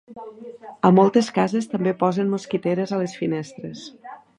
A moltes cases també posen mosquiteres a les finestres.